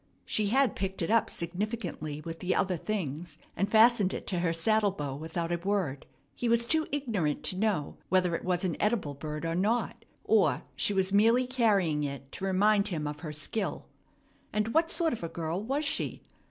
She had picked it up significantly with the other things, and fastened it to her saddle bow without a word. He was too ignorant to know whether it was an edible bird or not, or she was merely carrying it to remind him of her skill. And what sort of a girl was she?